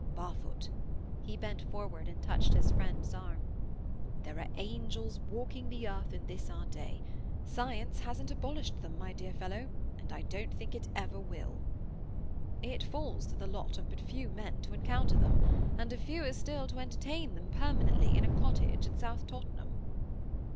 "Barfoot"—he bent forward and touched his friend's arm—"there are angels walking the earth in this our day. Science hasn't abolished them, my dear fellow, and I don't think it ever will." "It falls to the lot of but few men to encounter them, and of fewer still to entertain them permanently in a cottage at South Tottenham."